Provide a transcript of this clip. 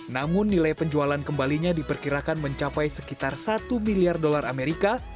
namun nilai penjualan kembalinya diperkirakan mencapai sekitar satu miliar dolar amerika